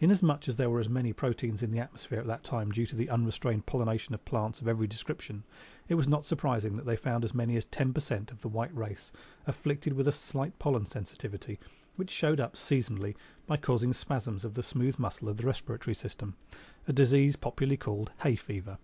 Inasmuch as there were many proteins in the atmosphere at that time due to the unrestrained pollination of plants of every description, it was not surprising that they found as many as ten per cent of the white race afflicted with a slight pollen sensitivity which showed up seasonally by causing spasms of the smooth muscle of the respiratory system, a disease popularly called "hay fever."